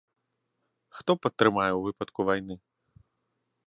Хто падтрымае ў выпадку вайны?